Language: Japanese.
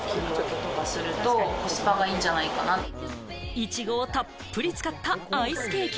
いちごをたっぷり使ったアイスケーキ。